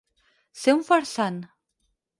Ser un farsant.